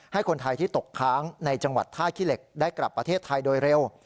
ให้คนไทยที่ตกค้างในจังหวัดท่าขี้เหล็กได้กลับประเทศไทยโดยเร็ว